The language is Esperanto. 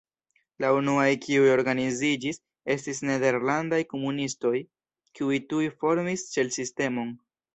La unuaj kiuj organiziĝis estis nederlandaj komunistoj, kiuj tuj formis ĉel-sistemon.